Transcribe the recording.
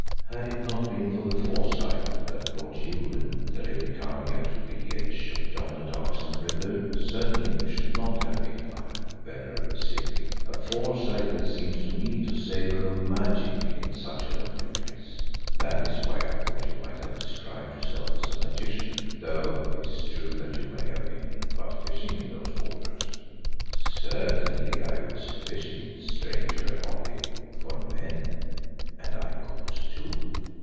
"Had it not been for the foresight that brought you and the lady Khania to the edge of yonder darksome river, certainly we should not have been alive, venerable Simbri, a foresight that seems to me to savour of magic in such a lonely place. That is why I thought you might have described yourself as a magician, though it is true that you may have been but fishing in those waters." "Certainly I was fishing, stranger Holly for men, and I caught two."